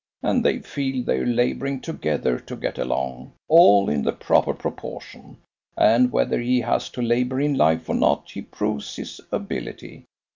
And they feel they're labouring together to get along, all in the proper proportion; and whether he has to labour in life or not, he proves his ability.